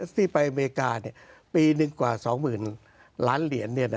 ที่ไปอเมริกาปีนึงกว่าสองหมื่นล้านเหรียญ